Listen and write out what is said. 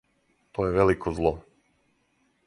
То је велико зло.